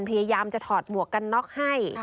พยายามจะถอดหมวกกันน็อกให้